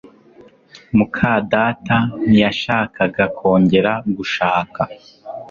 muka data ntiyashakaga kongera gushaka